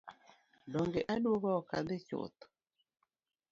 Donge aduogo ok adhi chuth.